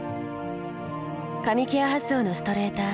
髪ケア発想のストレーター。